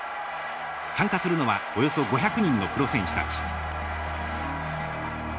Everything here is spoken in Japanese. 参加するのはおよそ５００人のプロ選手たち。